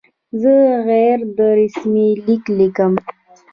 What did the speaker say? زه غیر رسمي لیک لیکم.